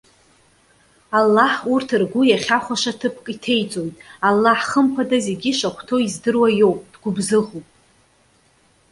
Аллаҳ, урҭ ргәы иахьахәаша ҭыԥк иҭеиҵоит. Аллаҳ хымԥада зегьы ишахәҭоу издыруа иоуп, дгәыбзыӷуп.